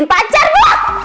nungguin pacar buk